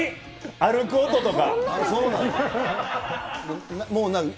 歩く音とか。